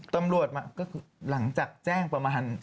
ตำรวจมาก็คือหลังจากแจ้งประมาณ